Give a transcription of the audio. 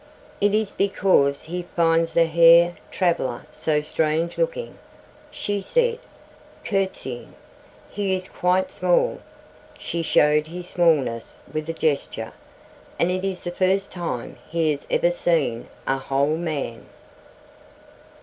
"It is because he finds the Herr Traveler so strange looking," she said, curtsying. "He is quite small," she showed his smallness with a gesture, "and it is the first time he has even seen a whole man."